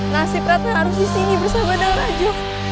nasib ratna harus disini bersama nara jok